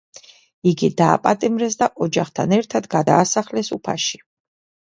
იგი დაპატიმრეს და ოჯახთან ერთად გადაასახლეს უფაში.